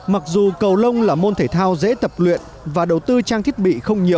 mặc dù cầu lông là môn thể thao dễ tập luyện và đầu tư trang thiết bị